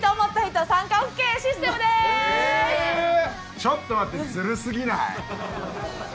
ちょっと待ってずるすぎない？